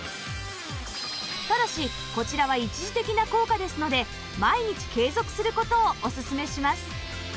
ただしこちらは一時的な効果ですので毎日継続する事をおすすめします